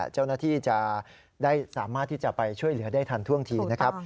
เจ้าหน้าที่จะได้สามารถที่จะไปช่วยเหลือได้ทันท่วงทีนะครับ